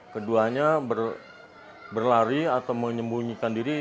keduanya berlari atau menyembunyikan diri